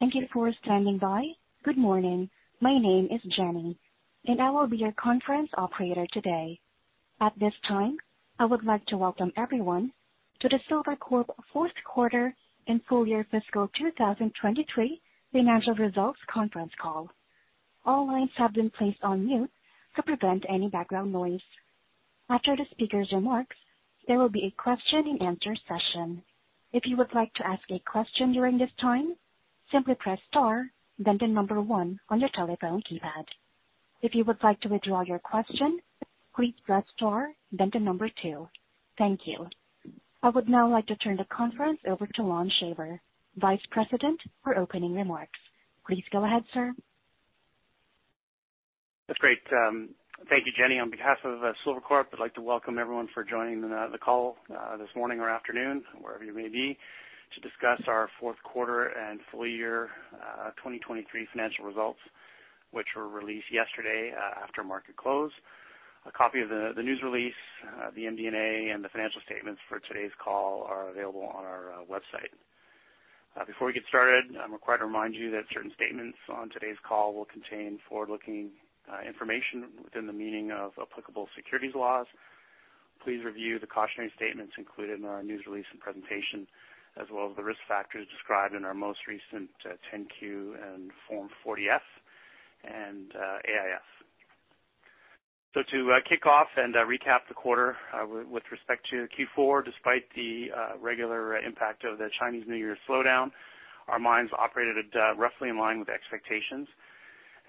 Thank you for standing by. Good morning. My name is Jenny, I will be your conference operator today. At this time, I would like to welcome everyone to the Silvercorp Metals fourth quarter and full year fiscal 2023 financial results conference call. All lines have been placed on mute to prevent any background noise. After the speaker's remarks, there will be a question and answer session. If you would like to ask a question during this time, simply press star, then one on your telephone keypad. If you would like to withdraw your question, please press star, then two. Thank you. I would now like to turn the conference over to Lon Shaver, Vice President, for opening remarks. Please go ahead, sir. That's great. Thank you, Jenny. On behalf of Silvercorp, I'd like to welcome everyone for joining the call this morning or afternoon, wherever you may be, to discuss our fourth quarter and full year 2023 financial results, which were released yesterday after market close. A copy of the news release, the MD&A, and the financial statements for today's call are available on our website. Before we get started, I'm required to remind you that certain statements on today's call will contain forward-looking information within the meaning of applicable securities laws. Please review the cautionary statements included in our news release and presentation, as well as the risk factors described in our most recent 10-Q and Form 40-F and AIF. To kick off and recap the quarter, with respect to Q4, despite the regular impact of the Chinese New Year slowdown, our mines operated at roughly in line with expectations,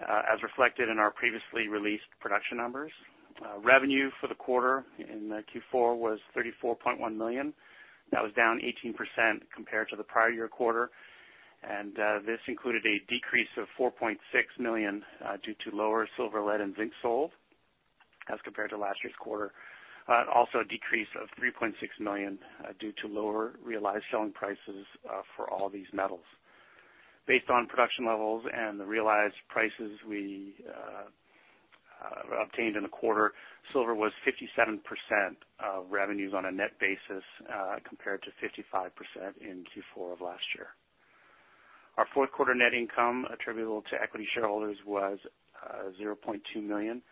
as reflected in our previously released production numbers. Revenue for the quarter in Q4 was $34.1 million. That was down 18% compared to the prior year quarter. This included a decrease of $4.6 million due to lower silver, lead, and zinc sold as compared to last year's quarter. Also a decrease of $3.6 million due to lower realized selling prices for all these metals. Based on production levels and the realized prices we obtained in the quarter, silver was 57% of revenues on a net basis, compared to 55% in Q4 of last year. Our fourth quarter net income attributable to equity shareholders was $0.2 million,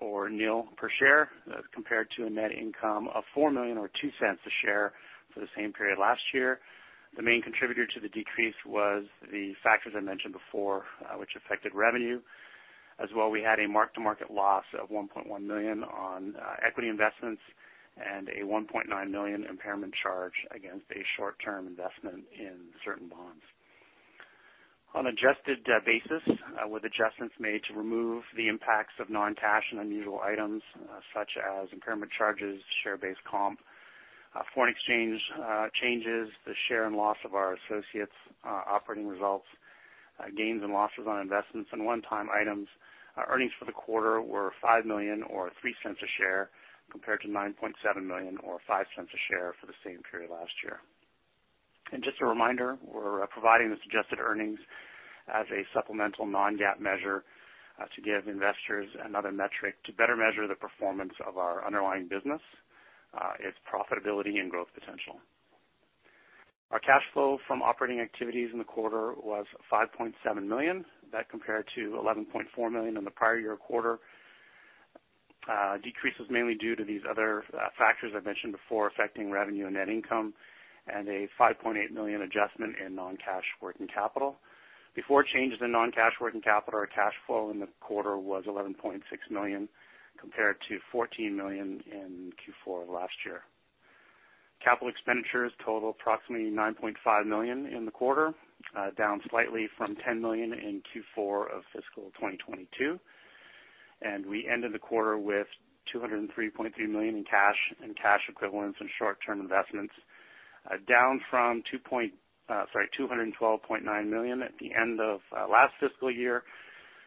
or nil per share, as compared to a net income of $4 million or $0.02 a share for the same period last year. The main contributor to the decrease was the factors I mentioned before, which affected revenue. As well, we had a mark-to-market loss of $1.1 million on equity investments and a $1.9 million impairment charge against a short-term investment in certain bonds. On adjusted basis, with adjustments made to remove the impacts of non-cash and unusual items, such as impairment charges, share-based comp, foreign exchange changes, the share and loss of our associates, operating results, gains and losses on investments and one-time items, our earnings for the quarter were $5 million or $0.03 a share, compared to $9.7 million or $0.05 a share for the same period last year. Just a reminder, we're providing the suggested earnings as a supplemental non-GAAP measure, to give investors another metric to better measure the performance of our underlying business, its profitability and growth potential. Our cash flow from operating activities in the quarter was $5.7 million. Compared to $11.4 million in the prior year quarter, decrease was mainly due to these other factors I mentioned before, affecting revenue and net income, and a $5.8 million adjustment in non-cash working capital. Before changes in non-cash working capital, our cash flow in the quarter was $11.6 million, compared to $14 million in Q4 of last year. Capital expenditures total approximately $9.5 million in the quarter, down slightly from $10 million in Q4 of fiscal 2022, and we ended the quarter with $203.3 million in cash and cash equivalents and short-term investments, down from two point, sorry, $212.9 million at the end of last fiscal year.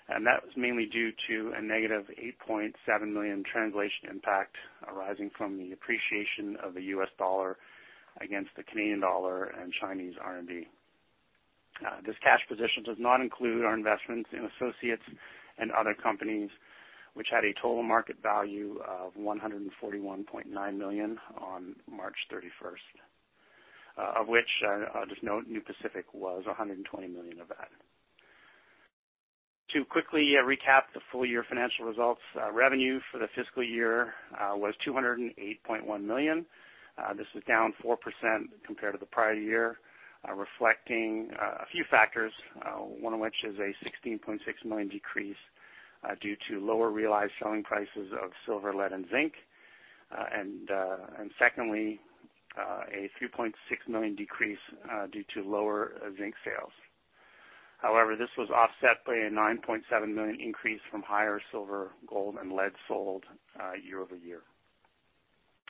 That was mainly due to a negative $8.7 million translation impact arising from the appreciation of the U.S. dollar against the Canadian dollar and Chinese RMB. This cash position does not include our investments in associates and other companies, which had a total market value of $141.9 million on March 31st, of which, just note, New Pacific was $120 million of that. To quickly recap the full year financial results, revenue for the fiscal year was $208.1 million. This was down 4% compared to the prior year, reflecting a few factors, one of which is a $16.6 million decrease, due to lower realized selling prices of silver, lead, and zinc. Secondly, a $3.6 million decrease, due to lower zinc sales. However, this was offset by a $9.7 million increase from higher silver, gold, and lead sold, year-over-year.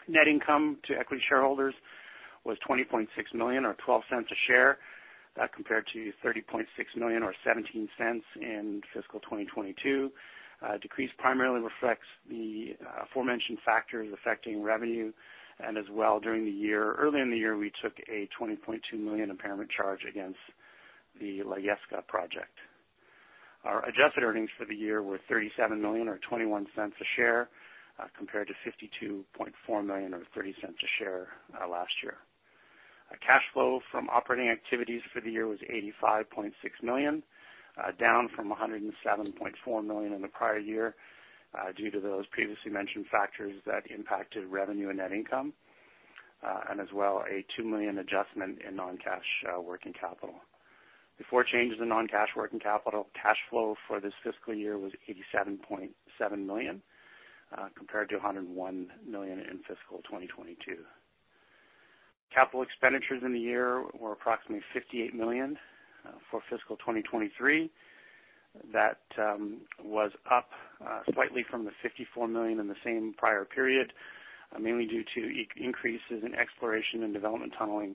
Net income to equity shareholders was $20.6 million or $0.12 a share. That compared to $30.6 million or $0.17 in fiscal 2022. Decrease primarily reflects the aforementioned factors affecting revenue, and as well, during the year, early in the year, we took a $20.2 million impairment charge against the La Yesca project. Our adjusted earnings for the year were $37 million, or $0.21 a share, compared to $52.4 million, or $0.30 a share, last year. Our cash flow from operating activities for the year was $85.6 million, down from $107.4 million in the prior year, due to those previously mentioned factors that impacted revenue and net income, and as well, a $2 million adjustment in non-cash working capital. Before changes in non-cash working capital, cash flow for this fiscal year was $87.7 million, compared to $101 million in fiscal 2022. Capital expenditures in the year were approximately $58 million for fiscal 2023. That was up slightly from the $54 million in the same prior period, mainly due to increases in exploration and development tunneling,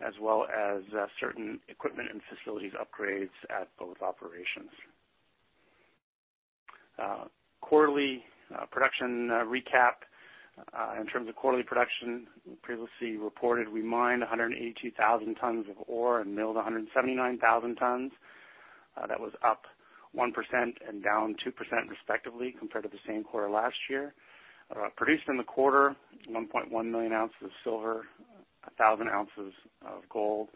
as well as certain equipment and facilities upgrades at both operations. Quarterly production recap. In terms of quarterly production, we previously reported we mined 182,000 tons of ore and milled 179,000 tons. That was up 1% and down 2% respectively compared to the same quarter last year. Produced in the quarter, 1.1 million ounces of silver, 1,000 ounces of gold,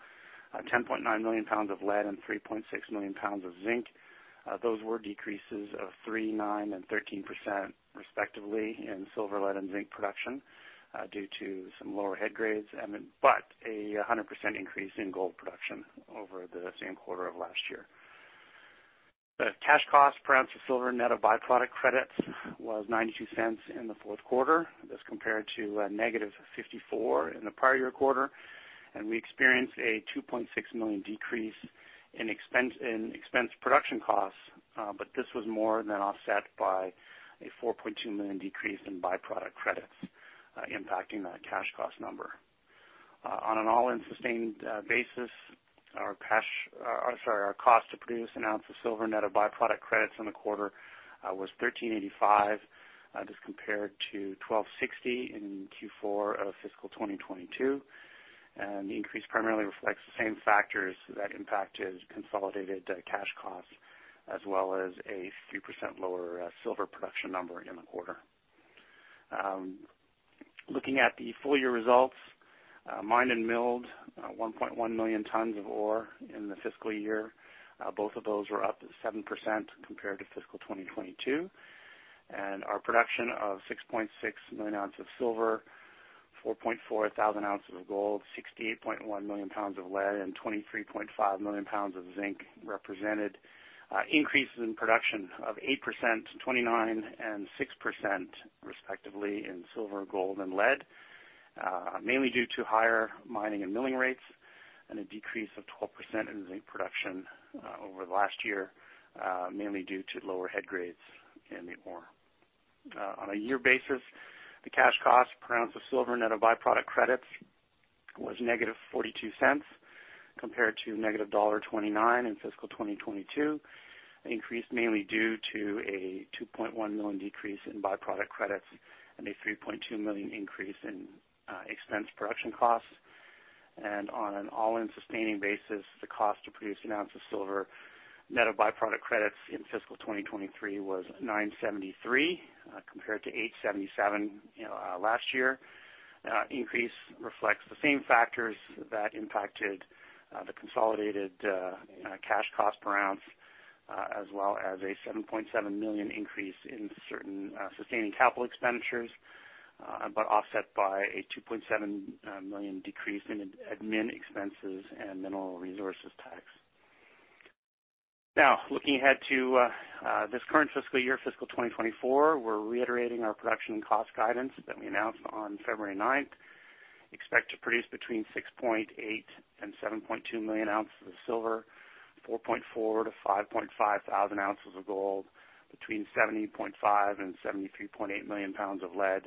10.9 million pounds of lead, and 3.6 million pounds of zinc. Those were decreases of 3%, 9%, and 13% respectively in silver, lead, and zinc production, due to some lower head grades, and then but a 100% increase in gold production over the same quarter of last year. The cash cost per ounce of silver net of byproduct credits was $0.92 in the fourth quarter, as compared to -$0.54 in the prior year quarter. We experienced a $2.6 million decrease in expensed production costs, but this was more than offset by a $4.2 million decrease in byproduct credits, impacting that cash cost number. On an all-in sustaining basis, our cash, sorry, our cost to produce an ounce of silver net of byproduct credits in the quarter, was $13.85. This compared to $12.60 in Q4 of fiscal 2022. The increase primarily reflects the same factors that impacted consolidated cash costs, as well as a few % lower silver production number in the quarter. Looking at the full year results, mined and milled 1.1 million tons of ore in the fiscal year. Both of those were up 7% compared to fiscal 2022. Our production of 6.6 million ounces of silver, 4.4 thousand ounces of gold, 68.1 million pounds of lead, and 23.5 million pounds of zinc, represented increases in production of 8%, 29%, and 6% respectively in silver, gold, and lead. Mainly due to higher mining and milling rates, and a decrease of 12% in zinc production, over the last year, mainly due to lower head grades in the ore. On a year basis, the cash cost per ounce of silver, net of by-product credits, was -$0.42, compared to -$1.29 in fiscal 2022. Increased mainly due to a $2.1 million decrease in by-product credits and a $3.2 million increase in expensed production costs. On an all-in sustaining basis, the cost to produce an ounce of silver, net of by-product credits in fiscal 2023, was $9.73, compared to $8.77, you know, last year. Increase reflects the same factors that impacted the consolidated cash cost per ounce, as well as a $7.7 million increase in certain sustaining capital expenditures, offset by a $2.7 million decrease in admin expenses and mineral resources tax. Looking ahead to this current fiscal year, fiscal 2024, we're reiterating our production and cost guidance that we announced on February 9th. Expect to produce between 6.8 million and 7.2 million ounces of silver, 4.4 thousand to 5.5 thousand ounces of gold, between 70.5 million and 73.8 million pounds of lead,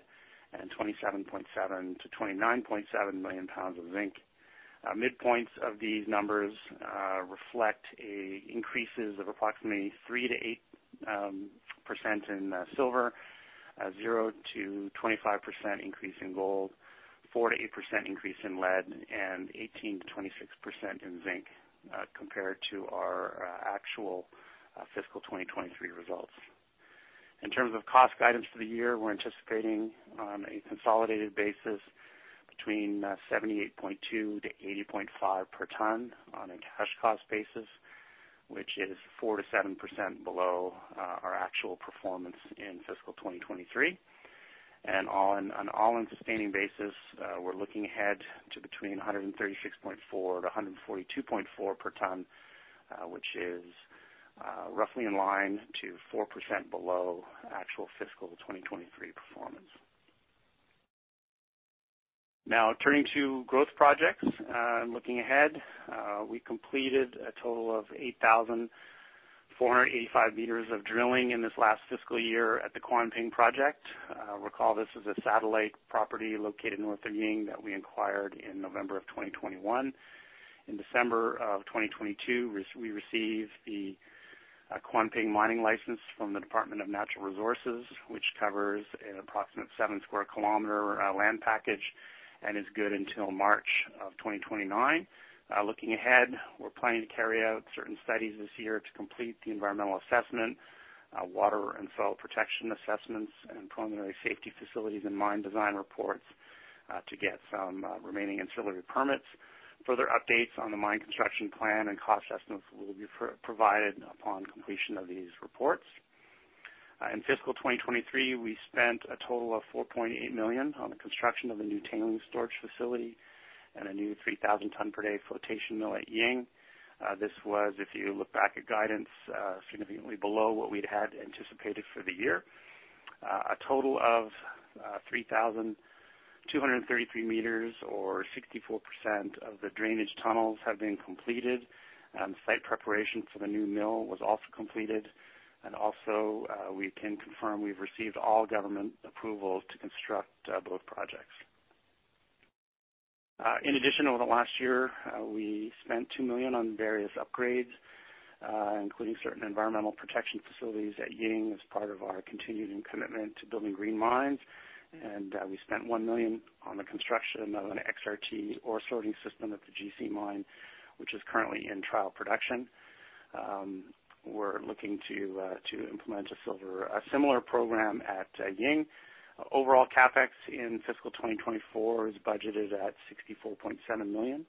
and 27.7 million-29.7 million pounds of zinc. Midpoints of these numbers reflect a increases of approximately 3%-8% in silver, 0%-25% increase in gold, 4%-8% increase in lead, and 18%-26% in zinc, compared to our actual fiscal 2023 results. In terms of cost guidance for the year, we're anticipating on a consolidated basis between 78.2-80.5 per ton on a cash cost basis, which is 4%-7% below our actual performance in fiscal 2023. On an all-in sustaining basis, we're looking ahead to between 136.4-142.4 per ton, which is roughly in line to 4% below actual fiscal 2023 performance. Turning to growth projects, looking ahead, we completed a total of 8,485 meters of drilling in this last fiscal year at the Kuanping project. Recall, this is a satellite property located north of Ying that we acquired in November of 2021. In December of 2022, we received the Kuanping mining license from the Department of Natural Resources, which covers an approximate 7 square kilometer land package and is good until March of 2029. Looking ahead, we're planning to carry out certain studies this year to complete the environmental assessment, water and soil protection assessments, and preliminary safety facilities and mine design reports, to get some remaining ancillary permits. Further updates on the mine construction plan and cost estimates will be provided upon completion of these reports. In fiscal 2023, we spent a total of $4.8 million on the construction of a new tailings storage facility and a new 3,000 ton per day flotation mill at Ying. This was, if you look back at guidance, significantly below what we'd had anticipated for the year. A total of 3,233 meters or 64% of the drainage tunnels have been completed, and site preparation for the new mill was also completed. Also, we can confirm we've received all government approvals to construct both projects. In addition, over the last year, we spent $2 million on various upgrades, including certain environmental protection facilities at Ying as part of our continuing commitment to building green mines. We spent $1 million on the construction of an XRT ore sorting system at the GC mine, which is currently in trial production. We're looking to implement a similar program at Ying. Overall, CapEx in fiscal 2024 is budgeted at $64.7 million,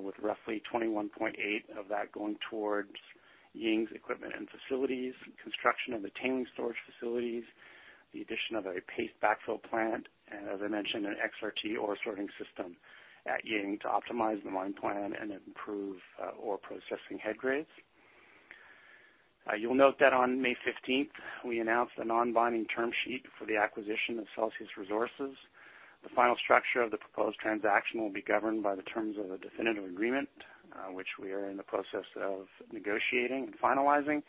with roughly $21.8 million of that going towards Ying's equipment and facilities, construction of the tailing storage facilities, the addition of a paste backfill plant, and as I mentioned, an XRT ore sorting system at Ying to optimize the mine plan and improve ore processing head grades. You'll note that on May 15th, we announced a non-binding term sheet for the acquisition of Celsius Resources. The final structure of the proposed transaction will be governed by the terms of a definitive agreement, which we are in the process of negotiating and finalizing.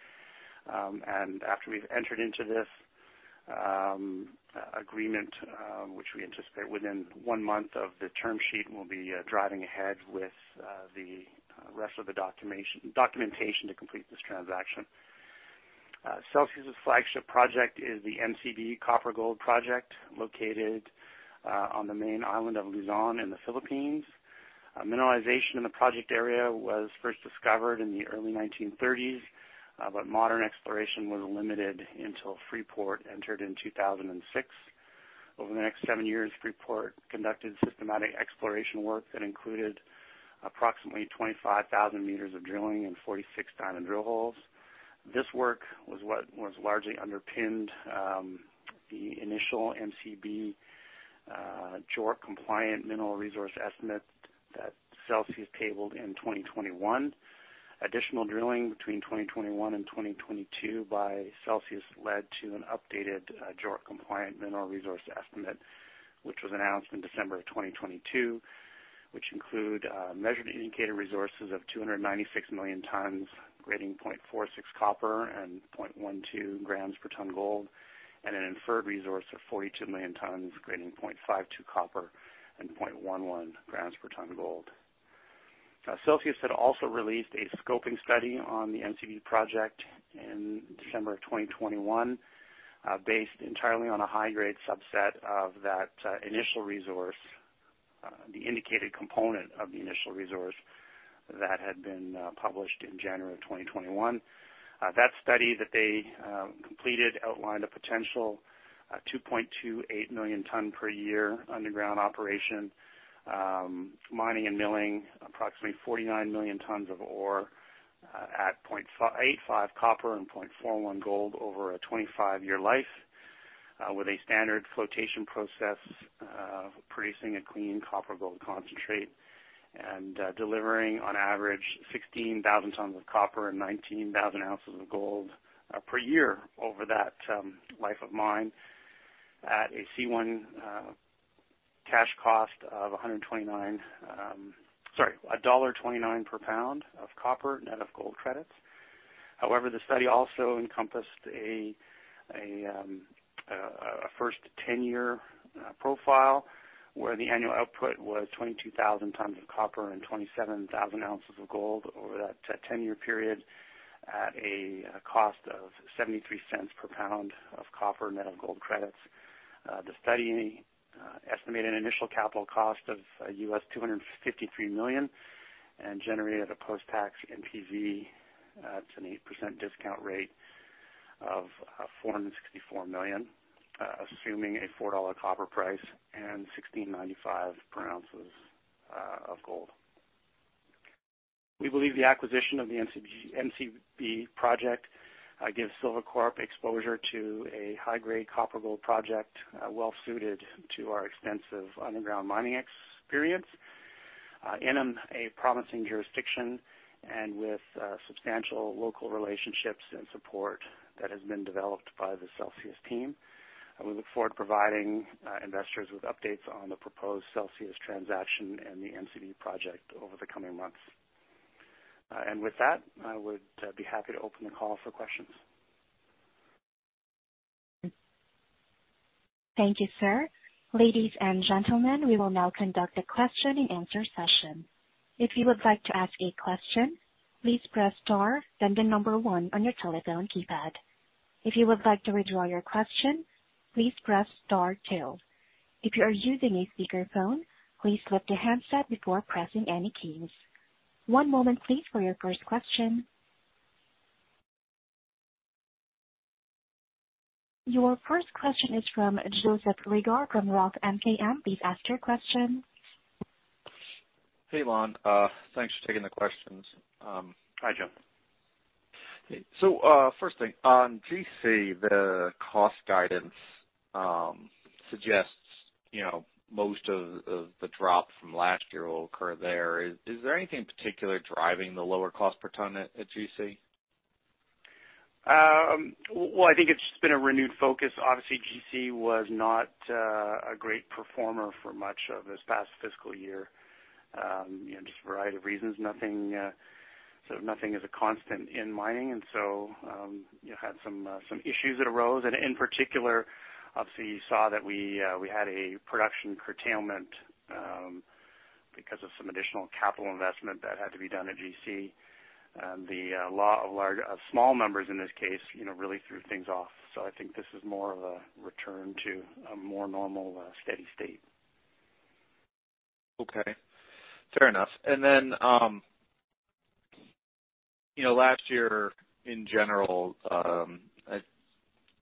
After we've entered into this agreement, which we anticipate within one month of the term sheet, we'll be driving ahead with the rest of the documentation to complete this transaction. Celsius' flagship project is the MCB copper-gold project, located on the main island of Luzon in the Philippines. Mineralization in the project area was first discovered in the early 1930s, but modern exploration was limited until Freeport entered in 2006. Over the next seven years, Freeport conducted systematic exploration work that included approximately 25,000 meters of drilling and 46 diamond drill holes. This work largely underpinned the initial MCB JORC-compliant mineral resource estimate that Celsius tabled in 2021. Additional drilling between 2021 and 2022 by Celsius led to an updated, JORC-compliant mineral resource estimate, which was announced in December of 2022, which include measured indicated resources of 296 million tons, grading 0.46 copper and 0.12 grams per ton gold, and an inferred resource of 42 million tons, grading 0.52 copper and 0.11 grams per ton gold. Celsius had also released a scoping study on the MCB project in December of 2021, based entirely on a high-grade subset of that initial resource, the indicated component of the initial resource that had been published in January of 2021. That study that they completed outlined a potential 2.28 million tons per year underground operation, mining and milling approximately 49 million tons of ore, at 0.85% copper and 0.41% gold over a 25-year life, with a standard flotation process, producing a clean copper gold concentrate and delivering on average 16,000 tons of copper and 19,000 ounces of gold per year over that life of mine at a C1 cash cost of 129, sorry, $1.29 per pound of copper, net of gold credits. The study also encompassed a first 10-year profile, where the annual output was 22,000 tons of copper and 27,000 ounces of gold over that 10-year period, at a cost of $0.73 per pound of copper, net of gold credits. The study estimated an initial capital cost of $253 million and generated a post-tax NPV at an 8% discount rate of $464 million, assuming a $4 copper price and $1,695 per ounces of gold. We believe the acquisition of the MCB Project gives Silvercorp exposure to a high-grade copper gold project well suited to our extensive underground mining experience in a promising jurisdiction and with substantial local relationships and support that has been developed by the Celsius team. We look forward to providing investors with updates on the proposed Celsius transaction and the MCB Project over the coming months. With that, I would be happy to open the call for questions. Thank you, sir. Ladies and gentlemen, we will now conduct a question and answer session. If you would like to ask a question, please press star, then one on your telephone keypad. If you would like to withdraw your question, please press star two. If you are using a speakerphone, please lift the handset before pressing any keys. One moment, please, for your first question. Your first question is from Joseph Reagor from ROTH MKM. Please ask your question. Hey, Lon. Thanks for taking the questions. Hi, Joe. First thing, on GC, the cost guidance, suggests, you know, most of the drop from last year will occur there. Is there anything in particular driving the lower cost per ton at GC? Well, I think it's just been a renewed focus. Obviously, GC was not a great performer for much of this past fiscal year. You know, just a variety of reasons. Nothing, sort of nothing is a constant in mining. You had some issues that arose, and in particular, obviously, you saw that we had a production curtailment because of some additional capital investment that had to be done at GC. The law of small numbers in this case, you know, really threw things off. I think this is more of a return to a more normal, steady state. Okay, fair enough. You know, last year in general, I,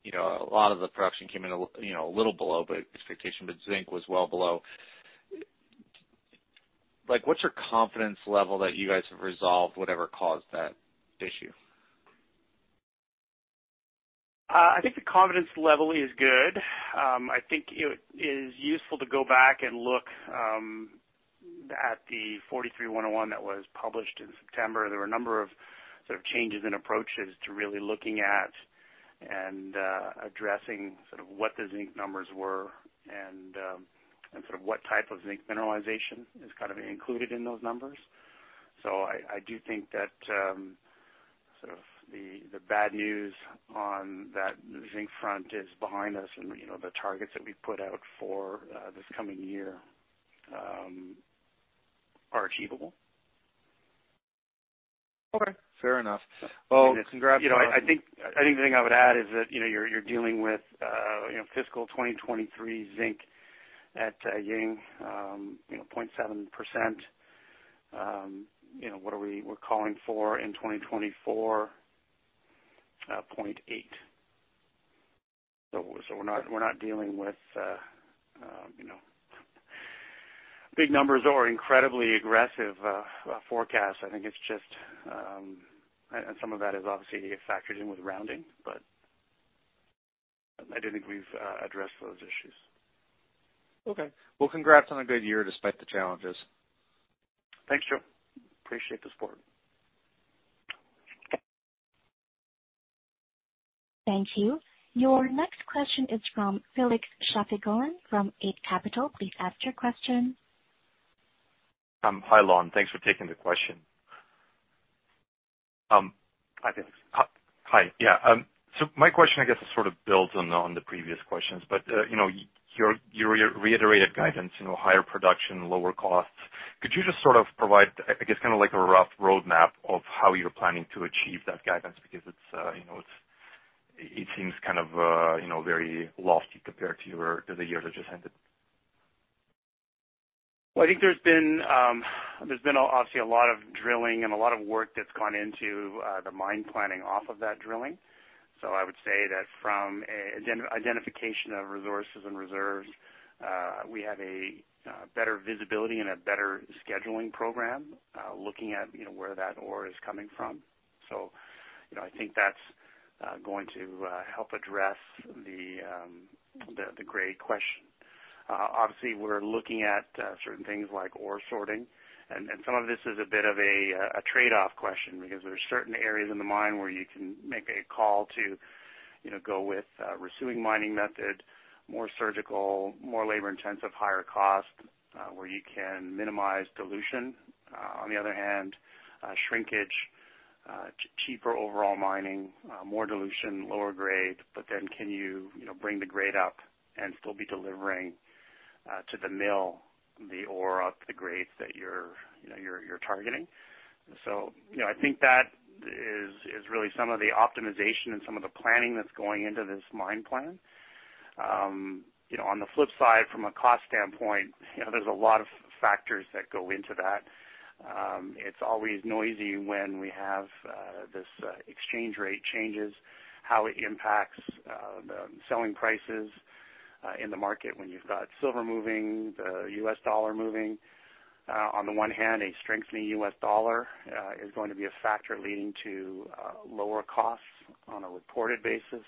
you know, a lot of the production came in, you know, a little below, but expectation with zinc was well below. Like, what's your confidence level that you guys have resolved whatever caused that issue? I think the confidence level is good. I think it is useful to go back and look at the 43-101 that was published in September. There were a number of sort of changes in approaches to really looking at and addressing sort of what the zinc numbers were and sort of what type of zinc mineralization is kind of included in those numbers. I do think that sort of the bad news on that zinc front is behind us and, you know, the targets that we've put out for this coming year are achievable. Okay. Fair enough. You know, I think the thing I would add is that, you know, you're dealing with, you know, fiscal 2023 zinc at Ying, you know, 0.7%. You know, we're calling for in 2024, 0.8. We're not dealing with, you know, big numbers or incredibly aggressive forecasts. I think it's just, and some of that is obviously factored in with rounding, but I do think we've addressed those issues. Well, congrats on a good year, despite the challenges. Thanks, Joe. Appreciate the support. Thank you. Your next question is from Felix Shafigullin from Eight Capital. Please ask your question. Hi, Lon. Thanks for taking the question. Hi, Felix. Hi. Yeah. My question, I guess, sort of builds on the, on the previous questions. You know, your reiterated guidance, you know, higher production, lower costs. Could you just sort of provide, I guess, kind of like a rough roadmap of how you're planning to achieve that guidance? Because it seems kind of, you know, very lofty compared to your, to the year that just ended. I think there's been obviously a lot of drilling and a lot of work that's gone into the mine planning off of that drilling. I would say that from a identification of resources and reserves, we have a better visibility and a better scheduling program, looking at, you know, where that ore is coming from. You know, I think that's going to help address the grade question. Obviously, we're looking at certain things like ore sorting, and some of this is a bit of a trade-off question because there's certain areas in the mine where you can make a call to, you know, go with resuing mining method, more surgical, more labor intensive, higher cost, where you can minimize dilution. On the other hand, shrinkage, cheaper overall mining, more dilution, lower grade, but then can you know, bring the grade up and still be delivering to the mill, the ore up the grades that you're, you know, you're targeting? You know, I think that is really some of the optimization and some of the planning that's going into this mine plan. You know, on the flip side, from a cost standpoint, you know, there's a lot of factors that go into that. It's always noisy when we have this exchange rate changes, how it impacts the selling prices in the market when you've got silver moving, the U.S. dollar moving. On the one hand, a strengthening U.S. dollar is going to be a factor leading to lower costs on a reported basis.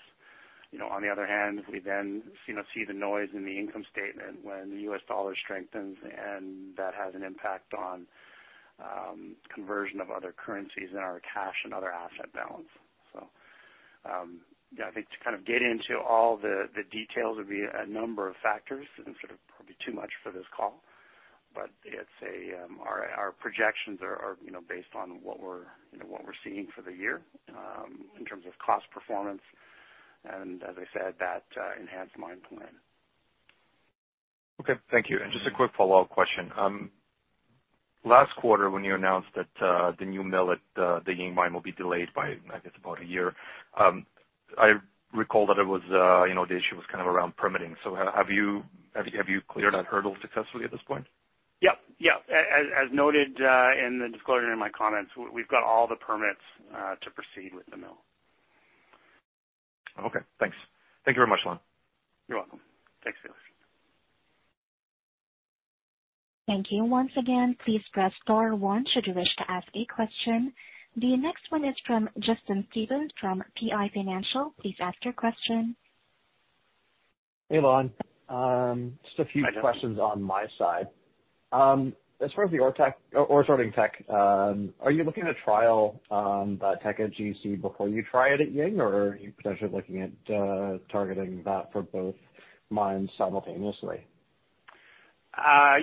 You know, on the other hand, we then, you know, see the noise in the income statement when the U.S. dollar strengthens, and that has an impact on conversion of other currencies in our cash and other asset balance. Yeah, I think to kind of get into all the details would be a number of factors and sort of probably too much for this call, but our projections are, you know, based on what we're, you know, what we're seeing for the year in terms of cost performance, and as I said, that enhanced mine plan. Okay, thank you. Just a quick follow-up question. Last quarter, when you announced that the new mill at the Ying mine will be delayed by, I guess, about a year, I recall that it was, you know, the issue was kind of around permitting. Have you cleared that hurdle successfully at this point? Yep. Yeah. As noted, in the disclosure in my comments, we've got all the permits, to proceed with the mill. Okay, thanks. Thank you very much, Lon. You're welcome. Thanks, Felix. Thank you. Once again, please press star 1 should you wish to ask a question. The next one is from Justin Stevens from PI Financial. Please ask your question. Hey, Lon. Just a few questions on my side. As far as the ore sorting tech, are you looking to trial the tech at GC before you try it at Ying, or are you potentially looking at targeting that for both mines simultaneously?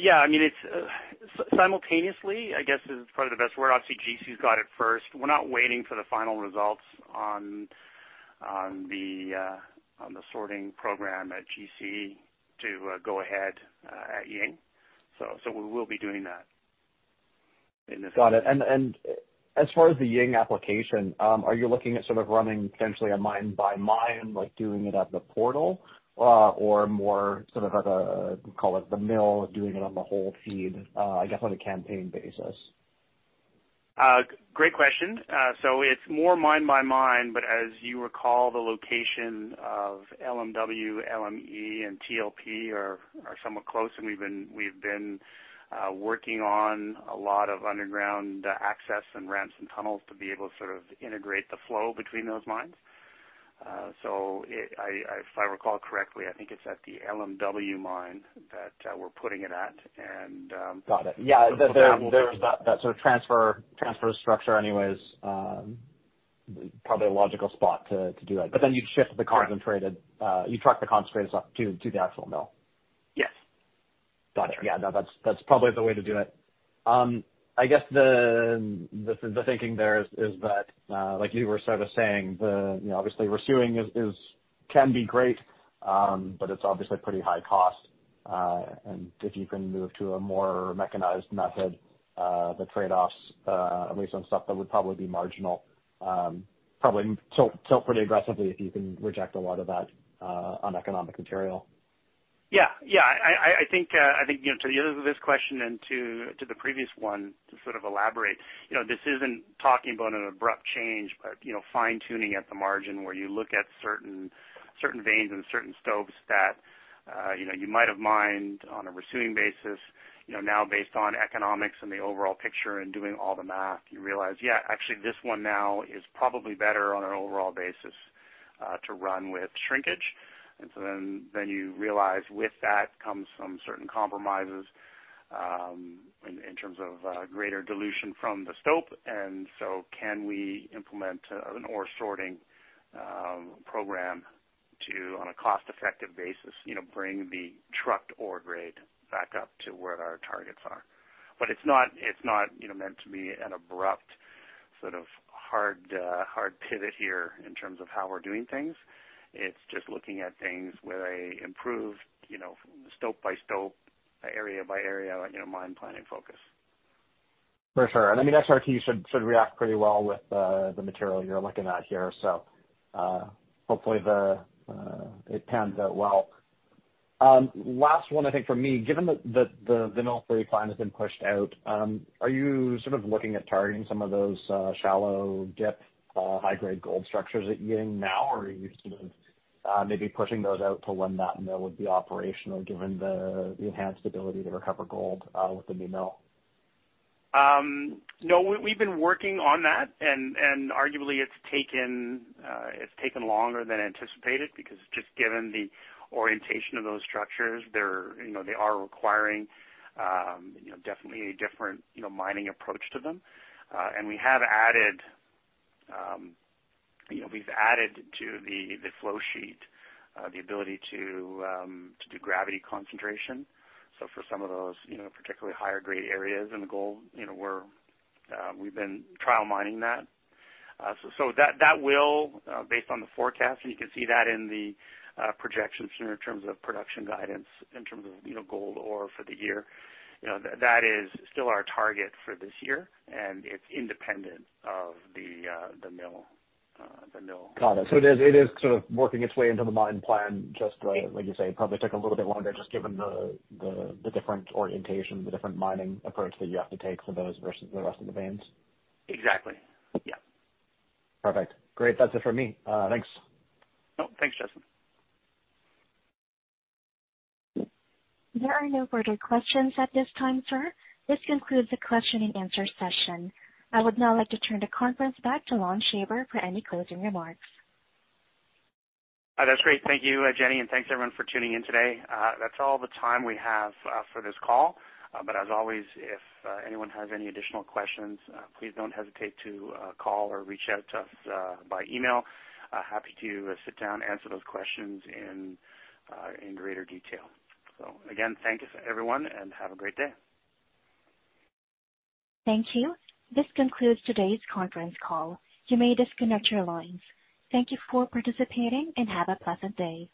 Yeah, I mean, it's simultaneously, I guess, is probably the best word. Obviously, GC's got it first. We're not waiting for the final results on the sorting program at GC to go ahead at Ying. We will be doing that in this. Got it. As far as the Ying application, are you looking at sort of running potentially a mine by mine, like doing it at the portal, or more sort of like a, call it the mill, doing it on the whole feed, I guess, on a campaign basis? Great question. It's more mine by mine, but as you recall, the location of LMW, LME, and TLP are somewhat close, and we've been working on a lot of underground access and ramps and tunnels to be able to sort of integrate the flow between those mines. If I recall correctly, I think it's at the LMW mine that we're putting it at. Got it. Yeah. That one- There's that sort of transfer structure anyways, probably a logical spot to do it. You'd ship the Yeah. You truck the concentrates up to the actual mill. Yes. Gotcha. Yeah, that's probably the way to do it. I guess the thinking there is that, like you were sort of saying, you know, obviously resuing is, can be great, but it's obviously pretty high cost. If you can move to a more mechanized method, the trade-offs, at least on stuff that would probably be marginal, probably tilt pretty aggressively if you can reject a lot of that, uneconomic material? Yeah. Yeah. I think, you know, to the other of this question and to the previous one, to sort of elaborate, you know, this isn't talking about an abrupt change, but, you know, fine-tuning at the margin where you look at certain veins and certain stopes that, you know, you might have mined on a resuing basis, you know, now based on economics and the overall picture and doing all the math, you realize, "Yeah, actually, this one now is probably better on an overall basis to run with shrinkage." Then you realize with that comes some certain compromises in terms of greater dilution from the stope, can we implement an ore sorting program to, on a cost-effective basis, you know, bring the trucked ore grade back up to where our targets are? It's not, you know, meant to be an abrupt, sort of hard, hard pivot here in terms of how we're doing things. It's just looking at things with a improved, you know, stope-by-stope, area-by-area, you know, mine planning focus. For sure. I mean, XRT should react pretty well with the material you're looking at here. Hopefully it pans out well. Last one I think from me, given that the Mill 3 plan has been pushed out, are you sort of looking at targeting some of those shallow dip high-grade gold structures that you're in now, or are you sort of maybe pushing those out to when that mill would be operational, given the enhanced ability to recover gold with the new mill? No, we've been working on that, and arguably it's taken longer than anticipated because just given the orientation of those structures, they're, you know, they are requiring, you know, definitely a different, you know, mining approach to them. We have added, you know, we've added to the flow sheet, the ability to do gravity concentration. For some of those, you know, particularly higher grade areas in the gold, you know, we're, we've been trial mining that. That will, based on the forecast, and you can see that in the, projections in terms of production guidance, in terms of, you know, gold ore for the year. You know, that is still our target for this year, and it's independent of the mill. Got it. It is sort of working its way into the mine plan, just like you say, probably took a little bit longer just given the different orientation, the different mining approach that you have to take for those versus the rest of the veins. Exactly. Yeah. Perfect. Great. That's it for me. Thanks. Oh, thanks, Justin. There are no further questions at this time, sir. This concludes the question and answer session. I would now like to turn the conference back to Lon Shaver for any closing remarks. That's great. Thank you, Jenny, and thanks everyone for tuning in today. That's all the time we have for this call. As always, if anyone has any additional questions, please don't hesitate to call or reach out to us by email. Happy to sit down, answer those questions in greater detail. Again, thank you to everyone, and have a great day. Thank you. This concludes today's conference call. You may disconnect your lines. Thank you for participating, and have a pleasant day.